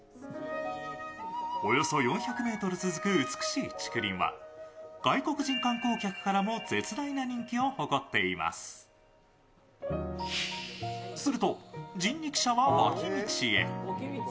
およそ４００ｍ続く美しい竹林は外国人観光客からも絶大な人気を誇っています。